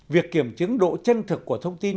việc kiểm chứng độ chân thực của thông tin